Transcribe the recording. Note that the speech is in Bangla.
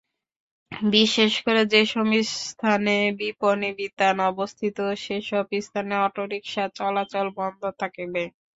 বিশেষ করে যেসব স্থানে বিপণিবিতান অবস্থিত সেসব স্থানে অটোরিকশা চলাচল বন্ধ থাকবে।